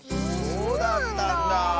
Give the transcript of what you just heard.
そうだったんだ。